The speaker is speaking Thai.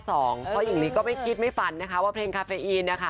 เพราะหญิงลีก็ไม่คิดไม่ฝันนะคะว่าเพลงคาเฟอีนนะคะ